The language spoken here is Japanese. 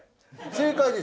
正解。